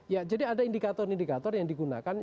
ya jadi ada indikator indikator yang digunakan